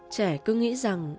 trẻ cứ nghĩ rằng